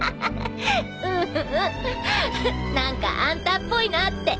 んん何かあんたっぽいなって。